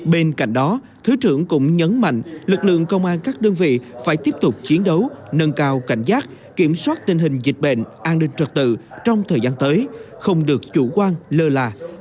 bên cạnh đó thứ trưởng cũng nhấn mạnh lực lượng công an các đơn vị phải tiếp tục chiến đấu nâng cao cảnh giác kiểm soát tình hình dịch bệnh an ninh trật tự trong thời gian tới không được chủ quan lơ là